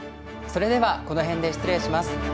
それではこの辺で失礼します。